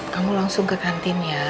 kamu langsung ke kantin ya